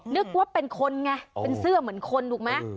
นึกว่าเป็นคนไงเป็นเสื้อเหมือนคนถูกไหม